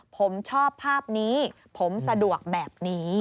ผมชอบภาพนี้ผมสะดวกแบบนี้